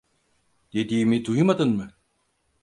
Dediğimi duymadın mı?